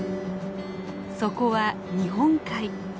そこは日本海。